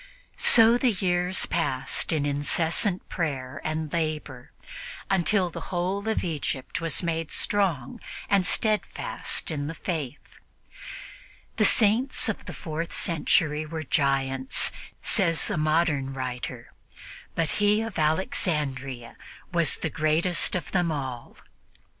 So the years passed in incessant prayer and labor, until the whole of Egypt was strong and steadfast in the Faith. "The Saints of the fourth century were giants," says a modern writer, "but he of Alexandria was the greatest of them all."